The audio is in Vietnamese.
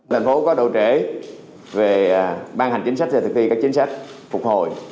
lãnh phố có độ trễ về ban hành chính sách và thực thi các chính sách phục hồi